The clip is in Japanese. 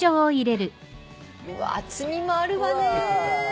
うわ厚みもあるわね。